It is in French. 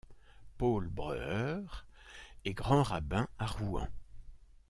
Paul Breuer est grand-rabbin à Rouen.